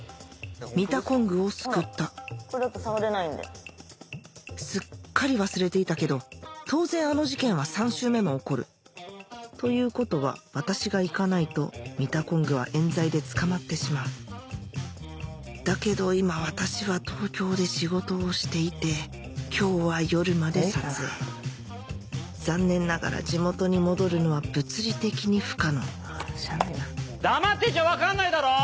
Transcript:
ミタコングを救ったこれだと触れないんですっかり忘れていたけど当然あの事件は３周目も起こるということは私が行かないとミタコングは冤罪で捕まってしまうだけど今私は東京で仕事をしていて今日は夜まで撮影残念ながら地元に戻るのは物理的に不可能黙ってちゃ分かんないだろ！